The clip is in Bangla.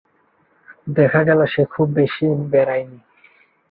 দেখা গেল, সে খুব বেশি বেড়ায় নি।